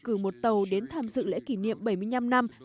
cử một tàu đến tham dự lễ kỷ niệm bảy mươi năm năm